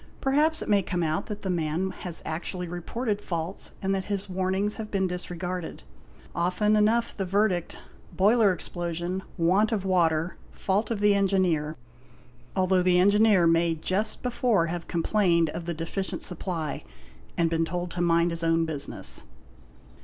Perhaps it may come out that the man has actually reported faults and that his warnings have been disregarded. Often enough the verdict is; "' Boiler explosion, want of water, fault of the engineer', although the engineer may just before have complained of the deficient supply and been told to ''mind his own business".